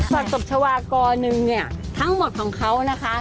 ตบชาวากรหนึ่งเนี่ยทั้งหมดของเขานะคะ